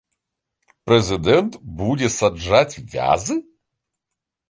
Прэзідэнт будзе саджаць вязы.